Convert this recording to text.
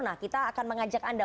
nah kita akan mengajak anda